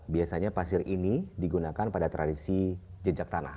biasanya pasir ini digunakan pada tradisi jejak tanah